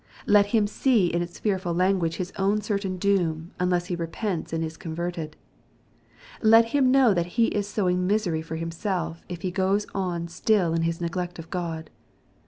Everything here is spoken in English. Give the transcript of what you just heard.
Let him see in its fearful language his own certain doom, unless he repents and is converted. Let him know that he is sowing misery for himself, if he goes on still in his neglect of God.